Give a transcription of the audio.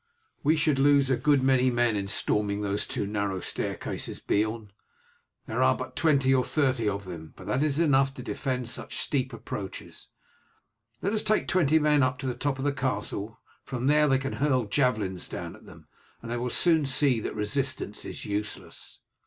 "We should lose a good many men in storming those two narrow staircases, Beorn. There are but twenty or thirty of them, but that is enough to defend such steep approaches. Let us take twenty men up to the top of the castle, from there they can hurl javelins down at them, and they will soon see that resistance is useless."